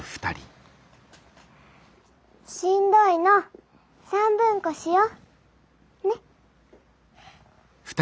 しんどいのさんぶんこしよ？ね？